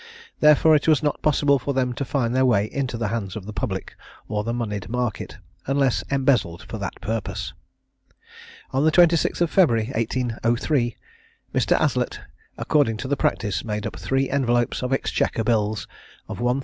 Therefore it was not possible for them to find their way into the hands of the public or the monied market, unless embezzled for that purpose. On the 26th of February, 1803, Mr. Aslett, according to the practice, made up three envelopes of exchequer bills, of 1000_l.